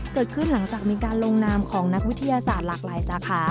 เกิดขึ้นหลังจากมีการลงนามของนักวิทยาศาสตร์หลากหลายสาขา